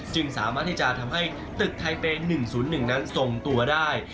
สามารถที่จะทำให้ตึกไทเปย์๑๐๑นั้นทรงตัวได้